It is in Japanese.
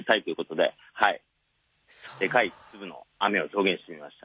でかい粒の雨を表現してみました。